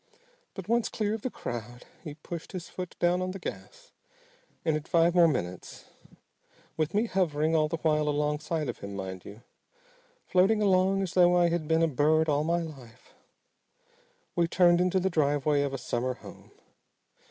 But once clear of the crowd he pushed his foot down on the gas and in five more minutes with me hovering all the while alongside of him, mind you floating along as though I had been a bird all my life we turned into the driveway of a summer home.